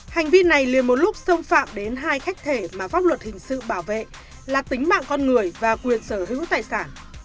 hành vi này liền một lúc xâm phạm đến hai khách thể mà pháp luật hình sự bảo vệ là tính mạng con người và quyền sở hữu tài sản